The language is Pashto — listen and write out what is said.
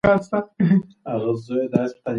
د دې تیږې سیوری به په ټوله نړۍ کې ښکاره نه شي.